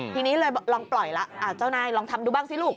ทีนี้เลยลองปล่อยละเจ้านายลองทำดูบ้างสิลูก